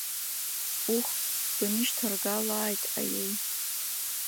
Ух, бынишьҭаргалааит, аиеи…